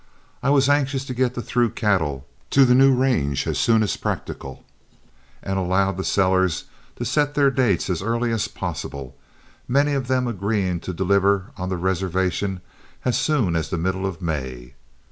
I was anxious to get the through cattle to the new range as soon as practicable, and allowed the sellers to set their dates as early as possible, many of them agreeing to deliver on the reservation as soon as the middle of May.